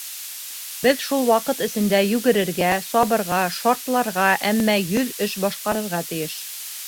Беҙ шул ваҡыт эсендә йүгерергә, сабырға, шартларға, әммә йөҙ эш башҡарырға тейеш!